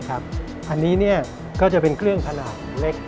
อันนี้ก็จะเป็นเครื่องขนาดเล็ก